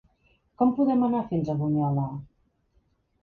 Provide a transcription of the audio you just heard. Com podem anar fins a Bunyola?